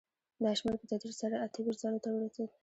دا شمېر په تدریج سره اته ویشت زرو ته ورسېد